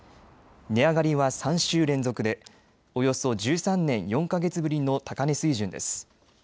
値上がりは３週連続でおよそ１３年４か月ぶりの高値水準です。